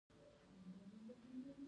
لارډ لیټن عطامحمد خان ته وویل.